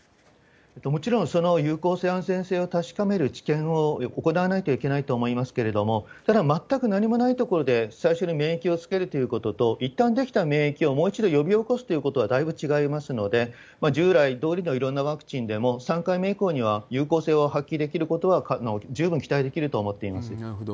もちろんその有効性、安全性を確かめる治験を行わないといけないと思いますけれども、ただ、全く何もないところで最初に免疫をつけるということと、いったん出来た免疫をもう一度呼び起こすということはだいぶ違いますので、従来どおりのいろんなワクチンでも、３回目以降には有効性は発揮できることは十分期待できると思ってなるほど。